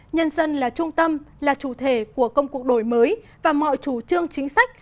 nhân dân là trung tâm là chủ thể của công cuộc đổi mới và mọi chủ trương chính sách